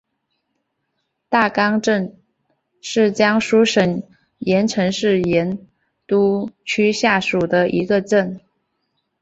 大冈镇是江苏省盐城市盐都区下属的一个镇。